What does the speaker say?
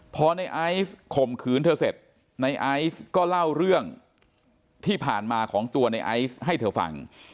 พอในไอซ์ข่มขืนเธอเสร็จในไอซ์ก็เล่าเรื่องที่ผ่านมาของตัวในไอซ์ให้เธอฟัง